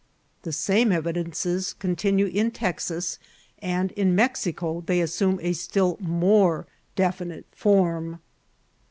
The same evidences continue in Texas, and in Mexioo they assume a still more definite Murm.